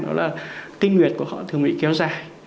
đó là tinh nguyệt của họ thường bị kéo dài